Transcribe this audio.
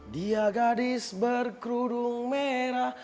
dia gadis berkerudung merah